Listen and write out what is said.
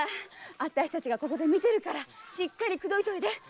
あたしたちがここで見てるからしっかり口説いといで。